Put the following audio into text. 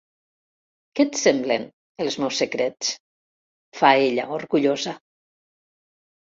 Què et semblen, els meus secrets? —fa ella, orgullosa.